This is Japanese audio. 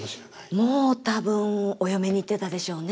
もう多分お嫁に行ってたでしょうね。